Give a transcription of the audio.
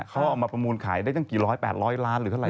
เขาเอามาประมูลขายได้ตั้งกี่ร้อย๘๐๐ล้านหรือเท่าไห